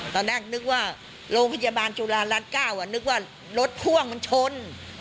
ตอนแรกนึกว่าโรงพยาบาลจุฬารัฐ๙นึกว่ารถพ่วงมันชน